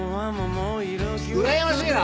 うらやましいな！